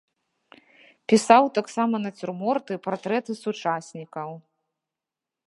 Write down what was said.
Пісаў таксама нацюрморты, партрэты сучаснікаў.